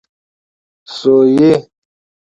سويي